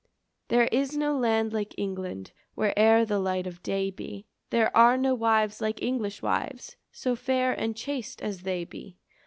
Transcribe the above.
There is no land like England, Where'er the light of day be; There are no wives like English wives, So fair and chaste as they be.